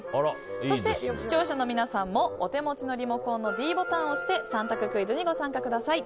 そして、視聴者の皆さんもお手持ちのリモコンのｄボタンを押して３択クイズにご参加ください。